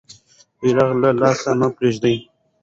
بیرغ له لاسه مه پرېږده.